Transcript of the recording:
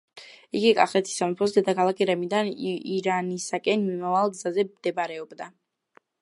იგი კახეთის სამეფოს დედაქალაქ გრემიდან ირანისაკენ მიმავალ გზაზე მდებარეობდა.